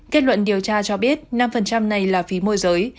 kết luận điều tra cho biết năm này là phí môi giới